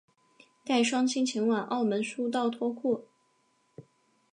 带双亲前往澳门输到脱裤